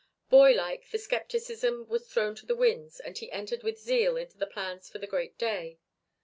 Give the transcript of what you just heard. Boylike, the scepticism was thrown to the winds and he entered with zeal into the plans for the great day.